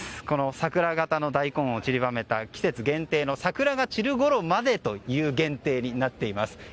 この桜形の大根を散りばめた桜が散るころまでという限定になっています。